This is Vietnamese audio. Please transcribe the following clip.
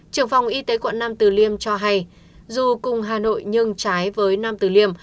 trưởng phòng y tế quận nam tử liêm cho hay dù cùng hà nội nhưng trái với nam tử liêm